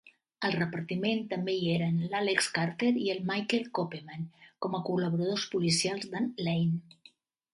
Al repartiment també hi eren l"Alex Carter i el Michael Copeman com a col·laboradors policials de"n Lane.